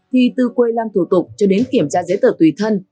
thì từ quầy làm thủ tục cho đến kiểm tra giấy tờ tùy thân